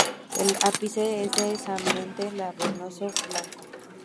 El ápice es densamente lanoso blanco.